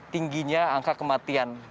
tingginya angka kematian